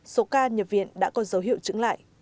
số ca nhập viện đã có dấu hiệu trứng lại